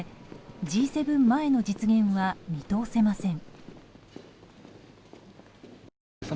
Ｇ７前の実現は見通せません。